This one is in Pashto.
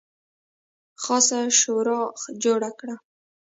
خاصه شورا جوړه کړه.